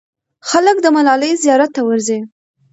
خلک د ملالۍ زیارت ته ورځي.